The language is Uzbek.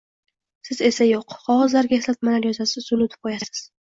Siz esa yoʻq. Qogʻozlarga eslatmalar yozasiz, unutib qoʻyasiz.